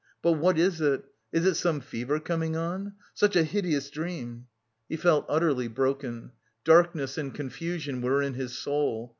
"But what is it? Is it some fever coming on? Such a hideous dream!" He felt utterly broken: darkness and confusion were in his soul.